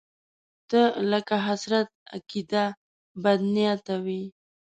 ته لکه حسرت، عقده، بدنيته وې